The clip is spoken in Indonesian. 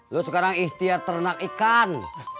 lu sekarang istiat ternak ikan